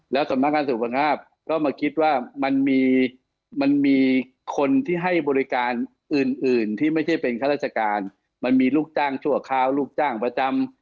แล้วสำนักงานสุขภาพก็มาคิดว่ามันมีมันมีคนที่ให้บริการอื่นอื่นที่ไม่ใช่เป็นข้าราชการมันมีลูกจ้างชั่วคราวลูกจ้างประจำ